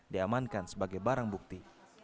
diamankan sebagai barang bukti